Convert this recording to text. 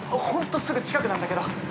ホントすぐ近くなんだけど。